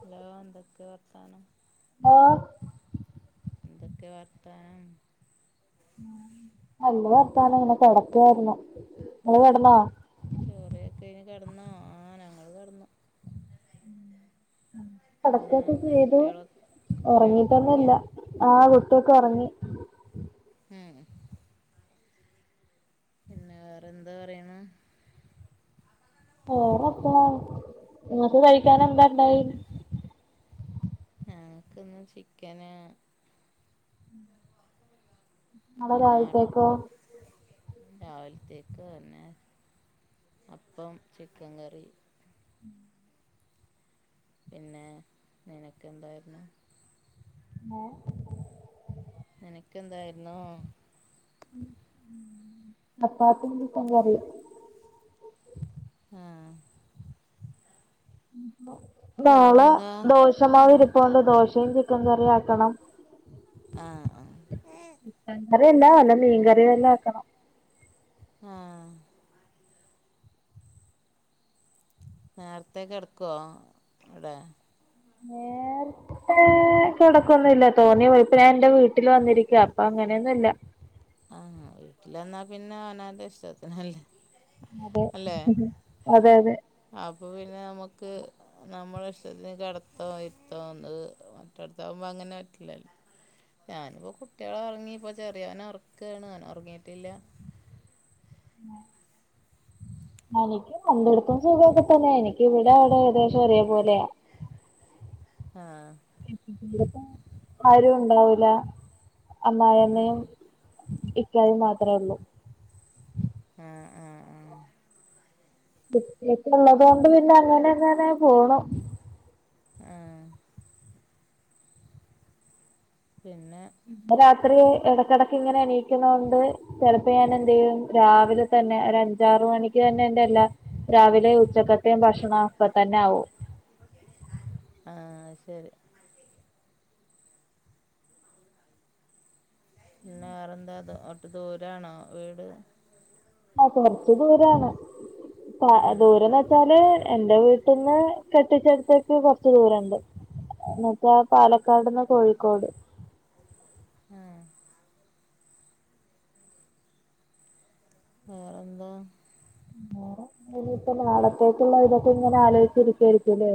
Hello എന്തൊക്കെയാ വർത്താനം ഹാ എന്തൊക്കെയാ വർത്താനം ഉ [inaudible] നല്ല വർത്താനം ഇങ്ങനെ കെടക്കായിരുന്നു നിങ്ങള് കെടന്നോ ചോറിയൊക്കെ ഇന് കിടന്നോ ആ ഞങ്ങള്ൾ കിടന്നു കടക്കൊക്കെ ചെയ്തു ഉറങ്ങിട്ടൊന്നുല്ല ആ കുട്ടീക്കെ ഉറങ്ങി. ഉം പിന്നെ വേറെ എന്താ പറയനു. ഓ അപ്പൊ നിങ്ങക്ക് കഴിക്കാന് എന്താണ്ടായി. ഞങ്ങൾക്കിന്ന് ചിക്കന്. പിന്നാർ രാവിലത്തേക്ക് എന്നന്നെ അപ്പം ചിക്കൻ കറി. പിന്നെ നിനക്ക് എന്തായിരുന്നു. ഹോ നിനക്ക് എന്തായിരുന്നു. ചപത്തി ചിക്കൻ കറി. ആഹ് നാളെ ദോശമാവ് ഇരിപ്പുണ്ട് ദോശയും ചിക്കൻ കറിയും ആക്കണം. ആഹ് ആഹ് ചിക്കൻ കറി അല്ല വല മീൻ കറിയും വെക്കണം. ആഹ് നേരത്തേ എടുക്കുവോ ഇവിടെ ഹ ഏ കിടക്കൊന്നുംല്ല തോന്നി പോയി ഇപ്പ ഞാൻ എന്റെ വീട്ടിൽ വന്നിരിക്ക അപ്പൊ അങ്ങനെയൊന്നുംല്ല. ആഹ വീട്ടിൽന്നാ പിന്നെ അവനന്റെ ഇഷ്ടത്തിനല്ലേ അതെ അതെ അതെ അപ്പൊ പിന്നെ നമുക്ക്. നമ്മള ഇഷടത്തിന് കിടത്തം ഇരുത്തം മറ്റോട്ത്താകുമ്പോ അങ്ങനെ പറ്റൂലല്ലോ. ഞാനിപ്പോ കുട്ടിള് ഉറങ്ങി പ്പോ ചെറിയ ഒനോ ഉറക്കണ് ഒൻ ഉറങ്ങിട്ടില്ല. ആഹ് എനിക്ക് രണ്ടിടത്തും സുഖക്കെ തന്നെ എനിക്ക് ഇവിടെ അവിടെ ഏകശം ഒരേ പോലെയാ. ആഹ് പ്പ ആരും ഉണ്ടാവൂല അമ്മായിമ്മിം. ഇക്കായും മാത്രമേ ഉള്ളൂ. ആഹ ആഹ ആഹ കുട്ടിക്കൊ ഉള്ളത് കൊണ്ട് പിന്നെ അങ്ങനെ എങ്ങനെ പോണു. ആഹ് പിന്നെ ഇ രാത്രി ഇടക്കിടക്ക് ഇങ്ങനെ അണീയിക്കുന്നത് കൊണ്ട്. ചെലപ്പം ഞാന് എന്ത് ചെയ്യും. രാവിലെ തന്നെ ഒരു അഞ്ചാറ് മണിക്ക് തന്നെ എന്റെല്ല രാവിലെ ഉച്ചക്കത്തെയും ഭക്ഷണം അപ്പ തന്നെ ആവും. ആഹ ശരി പിന്നെ വേറെ എന്താ അ ഒട്ട് ദൂരണോ വീട്. [inaudible] ആ കുറച്ച് ദൂരാണ് ദൂരന്ന്. ച്ചാല് എന്റെ വീട്ടിന്ന് കെട്ടിച്ചെടുത്തേക്ക് കൊറച്ചു ദൂരൊണ്ട്. എന്നച്ചാ പാലക്കാട്ന്ന്, കോഴിക്കോട് ആഹ് വേറെന്താ വേറെ ഇനിയിപ്പം നാളത്തേക്കുള്ള ഇതൊക്കെ ഇങ്ങനെ ആലോഴിച്ചിരിക്കായിരിക്കും ലെ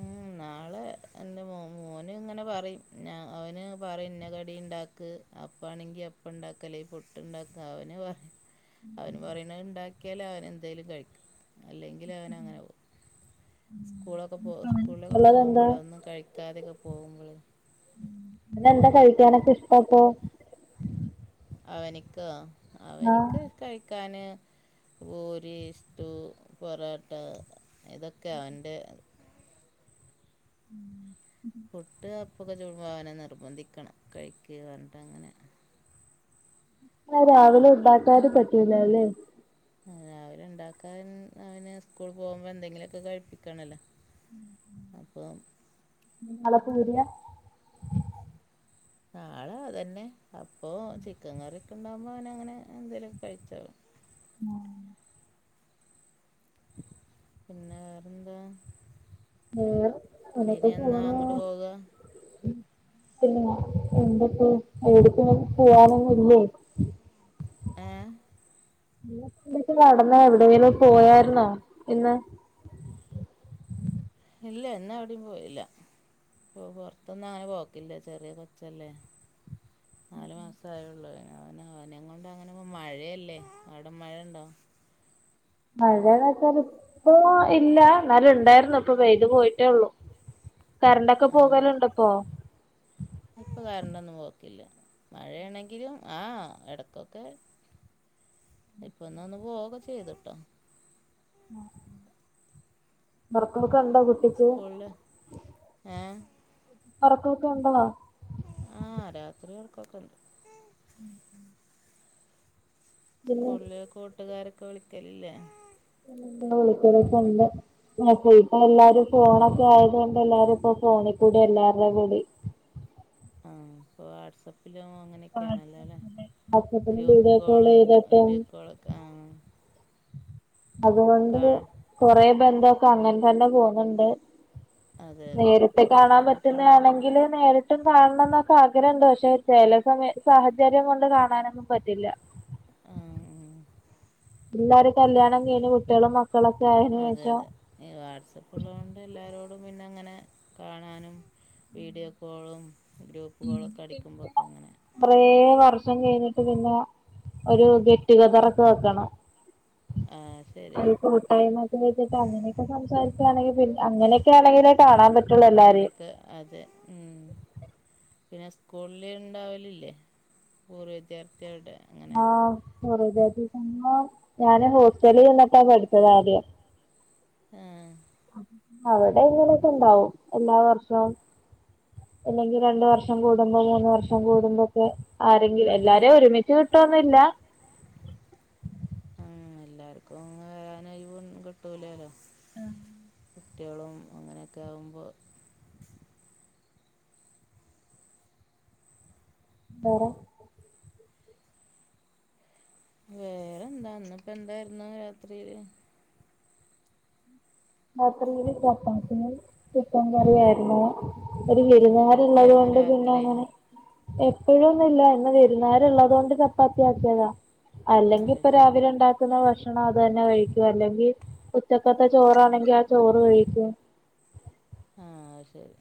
ഉം നാളെ ഇൻ്റെ മോൻ മോന് ഇങ്ങനെ പറിം ഞാ അവന് പറിം ഇന്ന കടി ഇണ്ടാക്ക്‌ അപ്പാണങ്കി അപ്പണ്ടാക്ക അല്ലെ പുട്ട്ണ്ടാക്ക അവനെ അവന് പറയ്ണ് ഇണ്ടാക്കിയാല് അവന് എന്തേലും കഴിക്കും അല്ലെങ്കില് അവനങ്ങനെ പോവും സ്കൂളൊക്കെ പോ സ്കൂൾലൊക്കെ പോവുമ്പള ഒന്നും കഴിക്കാതെക്കെ പോവുമ്പളെ പിന്നെന്താ കഴിക്കാനൊക്ക ഇഷ്ട അപ്പൊ അവനിക്കോ അവനിക്ക് കഴിക്കാന് പൂരി ഇസ്റ്റൂ പൊറാട്ട ഇതൊക്കെയാ അവൻ്റെ ഉം പുട്ട് അപ്പൊക്ക ചുടുമ്പോ അവനെ നിർബന്ധിക്കണം കഴിക്ക് പർഞ്ഞിട്ടങ്ങന ആ രാവിലെ ഇണ്ടാക്കാനും പറ്റൂല ലെ ആ രാവില ഇണ്ടാക്കാൻ അവന് സ്കൂളി പോവുമ്പ എന്തെങ്കിലു ഒക്ക കഴിപ്പിക്കണല്ലോ ഉം ഉം അപ്പം നിങ്ങളൊക്ക [unintelligible] നാളാ അതന്നെ അപ്പൊ ചിക്കൻ കറിയൊക്കെ ഇണ്ടാവുമ്പോ അവനങ്ങനെ എന്തേലൊക്കെ കഴിച്ചോളും ആ പിന്നെ വേറെന്താ വേറെ എന്താ അങ്ങനെക്കെ പോണൂ പിന്നെ എന്തൊക്ക എ [unintelligible] പോവാനൊന്നു ഇല്ലേ ഏഹ് [unintelligible] നടന്ന് എവിടേലും പോയാഴിര്ന്നോ ഇന്ന് ഇല്ല ഇന്നവടിം പോയില്ല ഇപ്പം പൊർത്തൊന്നും അങ്ങന പോക്കില്ല ചെറിയ കൊച്ചല്ലേ നാലു മാസം ആയൊള്ളൂ അവന് അവനേം കൊണ്ട് അങ്ങനെ ഇപ്പം മഴയല്ലേ അവട മഴണ്ടോ മഴേന്ന് വെച്ചാല് ഇപ്പൊ ഇല്ല ന്നാലും ഇണ്ടായിരുന്നു ഇപ്പം വെയില് പോയിട്ടേ ഒള്ളു കര്ണ്ടക്ക പോവല്ണ്ടോ ഇപ്പോ ഇപ്പ കര്ണ്ടൊന്നും പോക്കില്ല മഴ ആണെങ്കിലും ആ എടക്കൊക്കെ ഇപ്പൊന്നന്ന് പോവക്ക ചെയ്ത്ട്ടോ ആ [unintelligible] ഒണ്ടോ കുട്ടിക്ക് ഏ ഒറ്ക്കക്ക ഉണ്ടാവാ ആ രാത്രി ഒർക്കക്ക ഇണ്ട് ഉം ഉം സ്കൂൾലെ കൂട്ടുകാരക്കെ വിളിക്കലില്ലേ വിളിക്കലൊക്ക ഇണ്ട് [unintelligible] ഇപ്പ അല്ലാരും ഫോണൊക്കെ ആയതു കൊണ്ട് എല്ലാരും ഇപ്പം ഫോണി കൂടി എല്ലാർടേം വിളി ആ ഇപ്പ വാട്സപ്പിലോ അങ്ങന ഒക്കെയാണല്ലോല്ലേ ഗ്രൂപ്പ് കോള് വീഡിയോ കോളൊക്കെ ആ അതുകൊണ്ട് കൊറേ ബന്ധോക്കെ അങ്ങൻ തന്നെ പോണ് ണ്ട് നേരിട്ട് കാണാം പറ്റുന്ന ആണെങ്കി ങ്കിലും നേരിട്ടും കാൺണം ന്നൊക്കെ ആഗ്രഹണ്ട് പക്ഷെ ചെല സമയ സാഹചര്യം കൊണ്ട് കാണാനൊന്നും പറ്റില്ല ആഹ് ആഹ് എല്ലാരും കല്യാണം കഴിഞ്ഞ് കുട്ട്യെളും മക്കളൊക്കായേന് ശേഷം ഈ വാട്സപ്പ്ള്ളോണ്ട് എല്ലാരോടും പിന്നങ്ങനെ കാണാനും വീഡിയോ കോളും ഗ്രൂപ്പ് കോളൊക്കടിക്കുമ്പൊക്കെങ്ങനെ കൊറേ വർഷം കഴിഞ്ഞിട്ട് പിന്നെ ഒരു ഗെറ്റുകതറൊക്കെ വെക്കണം ആഹ് ഈ കൂട്ടായ്മൊക്കെ വെച്ചിട്ട് ഒരു കൂട്ടായ്മക്കെ ഒര് ഒര് ഒര് ഫു ടൈമൊക്കെ വെച്ചിട്ട് അങ്ങനെക്കെ സംസാരിക്കാണെങ്കി പിന്നെ അങ്ങനെക്കാണെങ്കിലേ കാണാൻ പറ്റൊള്ളൂ എല്ലാരേം. അതെ ഉം പിന്നെ സ്കൂൾല് ണ്ടാവലില്ലേ പൂർവ്വ വിദ്യാർത്ഥികൾടെ ആഹ് പൂർവ്വവിദ്യാർത്ഥി സംഗമം ഞാന് ഹോസ്റ്റലി നിന്നിട്ടാ പഠിച്ചതാദ്യം ആഹ് അവടെ ങ്ങനെക്കെ ണ്ടാവും എല്ലാ വർഷോം അല്ലെങ്കി രണ്ട് വർഷം കൂടുമ്പോ മൂന്ന് വർഷം കൂടുമ്പോക്കെ ആരെങ്കിലും എല്ലാരേം ഒര്മിച്ച് കിട്ടോന്നുല്ല. ആഹ് എല്ലാർക്കും അങ്ങ് വരാന് ഒഴിവൊന്നും കിട്ടൂലാല്ലോ. കുട്ട്യോളും അങ്ങനെക്കാവുമ്പൊ പറ വേറെന്താ ഇന്ന്പ്പെന്തായിര്ന്നു രാത്രീല്? രാത്രീല് പ്പം [unintelligible] ചിക്കൻ കറിയാര്ന്നു ഒരു വിര്ന്ന്കാരിള്ളത് കൊണ്ട് പിന്നങ്ങനെ എപ്പഴൊന്നൂല്ല ഇന്ന് വിര്ന്നാര് ള്ളതൊണ്ട് ചപ്പാത്ത്യാക്ക്യതാ അല്ലെങ്കി പ്പൊ രാവിലെണ്ടാ ക്ക്ന്ന ഭക്ഷണം അതെന്നെ കഴിക്കും അല്ലെങ്കി ഉച്ചക്കത്തെ ചോറാണെങ്കി ആ ചോറ് കഴിക്കും. ആഹ് അയ് ശെരി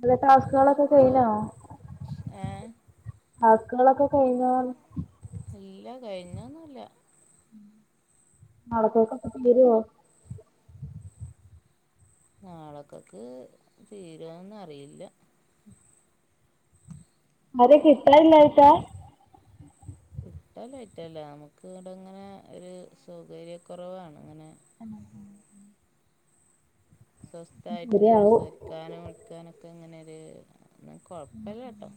[unintelligible] ടാസ്കകളൊക്കെ കഴിഞ്ഞോ ടാസ്ക്ക്കളൊക്കെ കഴിഞ്ഞോന്ന്? ഇല്ല കഴിഞ്ഞൊന്നുല്ല. നാളത്തേക്കൊക്കെ തീരോ? നാളെക്കൊക്ക് തീരോന്നറിയില്ല. ആരേം കിട്ടല്ലായിട്ട. കിട്ടലായിട്ടല്ല അമക്ക് ഇവടെങ്ങനെ ഒര് സൗകര്യക്കൊറവാണ് ഇങ്ങനെ ആണോ ഉം സ്വസ്ഥായിട്ട് സംസാരിക്കാനും വിളിക്കാനൊക്കെങ്ങനൊര് എന്നാ കൊഴപ്പല്ലട്ടോ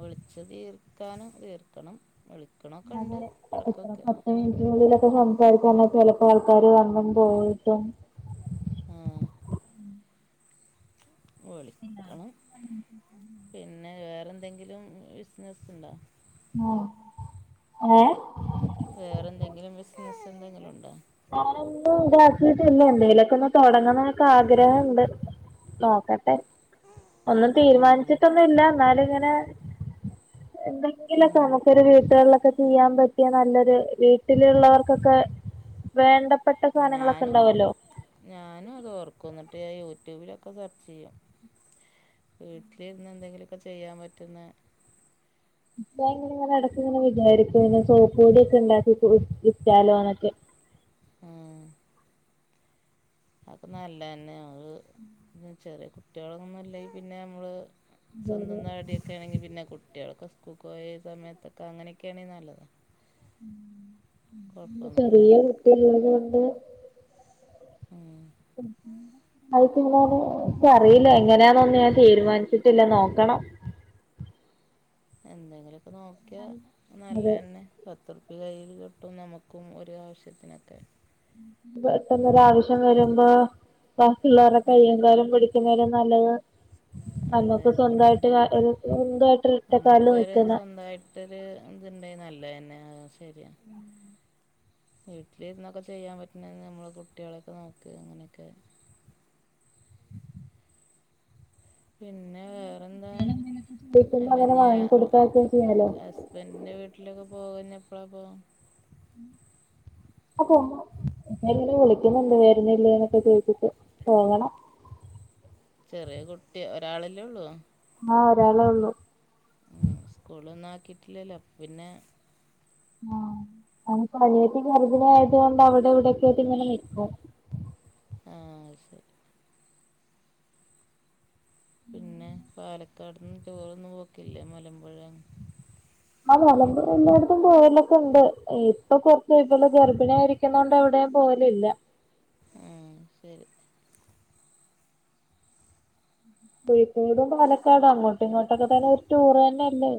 വിളി ച്ച് തീർക്കാനും തീർക്കണം വിളിക്കണോക്കണ്ട് എടക്കൊക്കെ. വീട്ടിനുള്ളിലൊക്കെ സംസാരിക്കാന്ന ചെലപ്പോ ആൾക്കാര് വന്നും പോയിട്ടും ആഹ് വിളിക്കണം. പിന്നെ വേറെന്തെങ്കിലും ബിസ്നസ്ണ്ടാ? ആഹ് ഏഹ്? വേറെന്തെങ്കിലും ബിസ്നസെന്തെങ്കിലുണ്ടാ? ഞാനൊന്നും താക്കീട്ടില്ല എന്തെങ്കിലൊക്കൊന്ന് തൊടങ്ങണന്നൊക്കെ ആഗ്രഹണ്ട് നോക്കട്ടെ ഒന്നും തീരുമാനിച്ചിട്ടൊന്നുല്ല എന്നാലുങ്ങനെ എന്തെ ങ്കിലൊക്കെ നമക്കൊര് വീട്ട്കളിലൊക്കെ ചെയ്യാം പറ്റ്യ നല്ലൊര് വീട്ടിലിള്ളവർക്കൊക്കെ വേണ്ട ഞാനും ഞാനും അത് ഓർക്കും ന്നട്ട് യൂട്യൂബിലൊക്കെ സെർച്ചെയ്യാ. വീട്ടിലിര്ന്ന് എന്തെങ്കിലുക്കെ ചെയ്യാൻ പറ്റുന്ന ഞാനിങ്ങനെ എടക്ക്ങ്ങനെ വിചാരിക്കും ഇങ്ങനെ സോപ്പുപൊടി ഒക്കെ ഇണ്ടാക്കി വിറ്റ് വിറ്റാലോന്നൊക്കെ. ആഹ് അഹ്പ്പം നല്ലേന്നേ അഹ് ചെറിയ കുട്ട്യോളൊന്നു ഇല്ലേ പിന്നേമ്മള് സ്വന്തം നാടിയൊക്കെ ആണെങ്കി പിന്നെ കുട്ടികളൊക്കെ സ്കൂക്കോയ സമയത്തൊക്കെ അങ്ങനെക്കെയാണെ നല്ലതാ. [unintelligible] ചെറിയ കുട്ടി ഒള്ളത് കൊണ്ട് ഉം അഹ്പ്പ എങ്ങനെണ്? ക്ക് അറിയില്ല എങ്ങനെയാന്നൊന്നും ഞാൻ തീരുമാനിച്ചിട്ടില്ല നോക്കണം. എന്തെങ്കിലു ഒക്കെ നോക്കിയാ നല്ലന്നെ പത്തുറുപ്യ കൈയ്യിൽ കിട്ടും നമുക്കും ഒര് ആവശ്യത്തിനക്കെ. പെട്ടന്നൊരാവശ്യം വരുമ്പോ ബാക്കി ഉള്ളോരുടെ കയ്യും കാലും പിടി ക്കുന്നേലും നല്ലത് നമ്മക്ക് സ്വന്തായിട്ട് അഹ് ഒരു [unintelligible] സ്വന്തായിട്ടൊര് ഒറ്റക്കാലിൽ നിക്ക്ന്ന. ട്ടൊര് എന്ത്ണ്ടായ് നല്ലന്നെ ആഹ് ശരിയാ. വീട്ടില് ഇരുന്നൊക്കെ ചെയ്യാൻ പറ്റ്ണ നമ്മള് കുട്ടികളൊക്കെ നോക്ക് അങ്ങനെക്കെ പിന്നെ വേറെന്താ അല്ലെ ഞാ ക് അസ് ഇപ്പ എന്റെ വീട്ടിലൊക്കെ പോകുന്നെ എപ്പളാ പോകും? [unintelligible] വിളിക്കുന്നുണ്ട് വരുന്നില്ലേ ന്നൊക്കെ ചോദിച്ചിട്ട് പോകണം. ചെറിയ കുട്ടി ഒരാളല്ലേ ഉള്ളൂ? ആഹ് ഒരാളെ ഉള്ളൂ. ഉം സ്കൂളിലൊന്നും ആക്കീട്ടില്ലല്ലോ പിന്നെ ആഹ് ഞാനിപ്പ അനിയത്തി ഗർഭിണി ആയതു കൊണ്ട് അവടെ ഇവടെ ഒക്കെയായിട്ട് ഇങ്ങനെ നിക്കും. ആഹ് ശരി പിന്നെ പാലക്കാട്ന്നു റ്റൂറൊന്നും പോക്കില്ലേ മലമ്പുഴ അങ്ങ്? ആഹ് മലമ്പുഴ എല്ലായിടത്തും പോവലൊക്കെ ഉണ്ട്. ഇപ്പ കൊർച്ച് ഇവള് ഗർഭിണി ആയിരി ക്കിന്നോണ്ട് എവിടെയും പോവലില്ല. ഉം ശരി കോഴിക്കോടും പാലക്കാടും അങ്ങോട്ടും ഇങ്ങോട്ടൊക്കെ തന്നെ ഒരു ടൂറ് തന്നെയല്ലേ?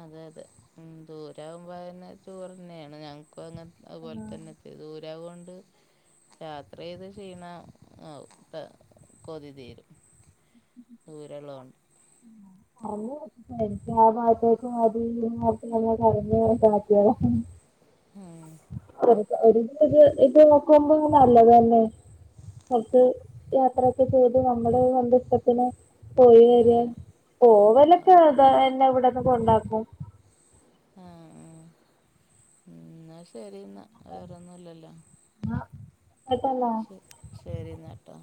അതെ അതെ ഉം ദൂരെ ആകുമ്പോ അതന്നെ റ്റൂറ് തന്നെയാണ് ഞങ്ങക്കു അത് അങ്ങൻ അതുപോലെ തന്നെ. ഇത്തിരി ദൂരെ ആവോണ്ട് രാത്രി യ്ത് ചെയ്യ്ണ [unintelligible] കൊതി തീരും. ദൂരെ ഒള്ളതോണ്ട് ആഹ് അതെ ശെരിക്കും ആഹ് ഭാഗത്തേക്ക് മതി [unintelligible] ഏഹ് [unintelligible] ഇപ്പം നോക്കുമ്പോ നല്ലതന്നെ. അത് യാത്ര ഒക്കെ ചെയ്ത് നമ്മുടെ സന്തുഷ്ടത്തിന് പോയി വരാ. പോവലൊക്കെ അതാ എന്നെ ഇവിടന്ന് കൊണ്ടാക്കും. ആഹ് ആഹ് ന്നാ ശരിന്നാ വേറൊന്നും ഇല്ലല്ലോ? ആഹ് ഏട്ട ല്ലേ? ശരിന്നാട്ടോ